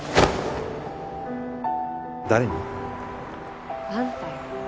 誰に？あんたよ。